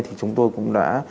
thì chúng tôi cũng đã